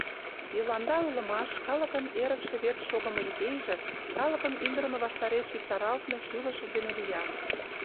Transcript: «Йыланда» ойлымаш калыкын эрыкше верч шогымо идейже, калыкым индырыме ваштареш виктаралтме шӱлышыж дене виян.